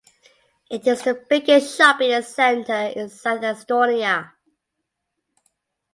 It is the biggest shopping center in South Estonia.